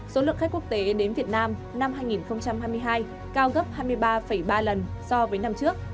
số lượng khách quốc tế đến việt nam năm hai nghìn hai mươi hai cao gấp hai mươi ba ba lần so với năm trước